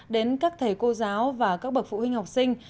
đến các thầy cô giáo và các bậc phụ huynh học sinh